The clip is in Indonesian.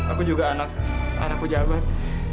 aku juga anak pejabat